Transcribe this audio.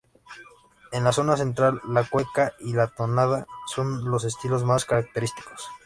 En la zona central, la cueca y la tonada son los estilos más característicos.